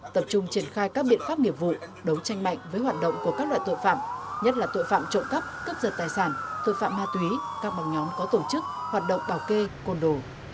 tập trung triển khai các biện pháp nghiệp vụ đấu tranh mạnh với hoạt động của các loại tội phạm nhất là tội phạm trộm cắp cướp giật tài sản tội phạm ma túy các bóng nhóm có tổ chức hoạt động bảo kê côn đồ